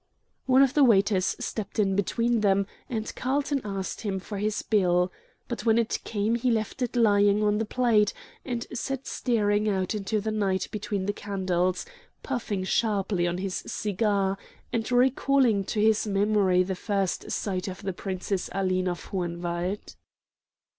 One of the waiters stepped in between them, and Carlton asked him for his bill; but when it came he left it lying on the plate, and sat staring out into the night between the candles, puffing sharply on his cigar, and recalling to his memory his first sight of the Princess Aline of Hohenwald.